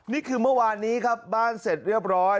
นี่คือเมื่อวานนี้ครับบ้านเสร็จเรียบร้อย